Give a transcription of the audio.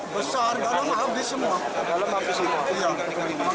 besar dalam habis semua